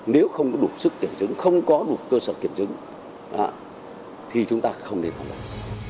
nếu không có đủ sức kiểm chứng không có đủ cơ sở kiểm chứng thì chúng ta không nên cố gắng